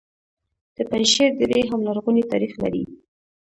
د پنجشیر درې هم لرغونی تاریخ لري